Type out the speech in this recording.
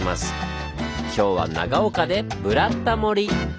今日は長岡で「ブラタモリ」！